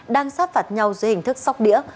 đang xác phạt nhau dưới hình thức sóc đĩa